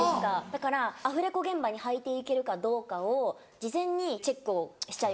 だからアフレコ現場に履いていけるかどうかを事前にチェックをしちゃいます。